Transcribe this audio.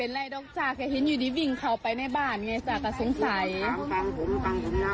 แล้ววิ่งเข้าบ้านทางห่วงดำ